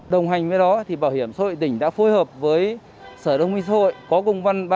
đồng hành với đó bảo hiểm xã hội tỉnh đã phối hợp với sở đông minh xã hội có công văn ba mươi ba